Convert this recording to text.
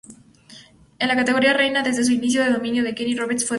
En la categoría reina, desde su inicio el dominio de Kenny Roberts fue total.